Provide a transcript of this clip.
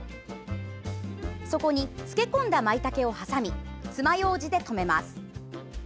そこに漬け込んだまいたけを挟みつまようじで留めます。